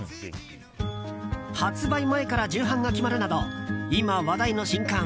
発売前から重版が決まるなど今、話題の新刊